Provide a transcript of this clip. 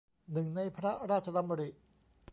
หนึ่งในพระราชดำริ